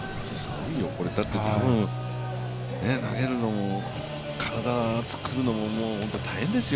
だって多分、投げるのも、体を突っ込むのも大変ですよ。